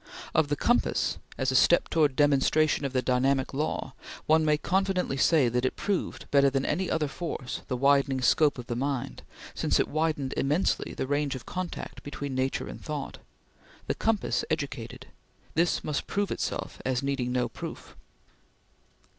Of the compass, as a step towards demonstration of the dynamic law, one may confidently say that it proved, better than any other force, the widening scope of the mind, since it widened immensely the range of contact between nature and thought. The compass educated. This must prove itself as needing no proof.